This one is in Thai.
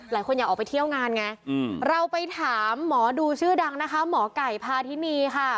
หลายคนอยากออกไปเที่ยวงานไงเราไปถามหมอดูชื่อดังนะคะหมอไก่พาทินีค่ะ